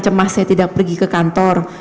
cemas saya tidak pergi ke kantor